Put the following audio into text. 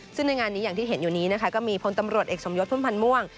ซึ่งในงานนี้อย่างที่เห็นอยู่นี้นะคะก็มีพลตำรวจเอกสมยศพุ่มพันธ์ม่วง